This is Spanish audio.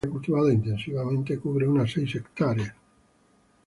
Actualmente el área cultivada intensivamente cubre unas seis hectáreas.